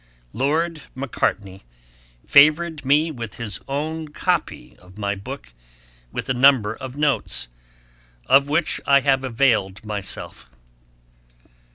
Lord MACARTNEY favoured me with his own copy of my book, with a number of notes, of which I have availed myself.